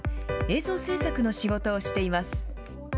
映像制作の仕事をしています。